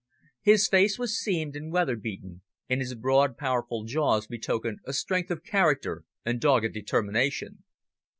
His face was seamed and weatherbeaten, and his broad, powerful jaws betokened a strength of character and dogged determination.